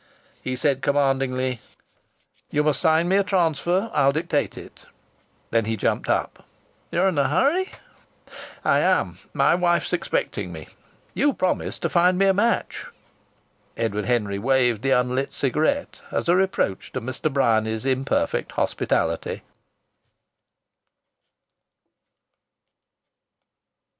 He said commandingly: "You must sign me a transfer. I'll dictate it!" Then he jumped up. "You're in a hurry?" "I am. My wife is expecting me. You promised to find me a match." Edward Henry waved the unlit cigarette as a reproach to Mr. Bryany's imperfect hospitality.